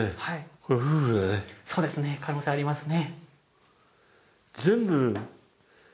これ夫婦だねそうですね可能性ありますね